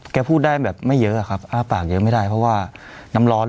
พูดได้แบบไม่เยอะอะครับอ้าปากเยอะไม่ได้เพราะว่าน้ำร้อน